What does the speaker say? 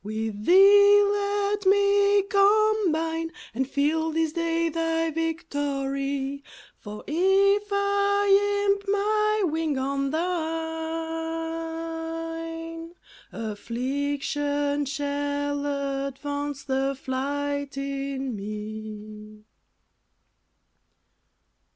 With Thee Let me combine, And feel this day Thy victory ; For, if I imp my wing on Thine, Affliction shall advance the flight in me.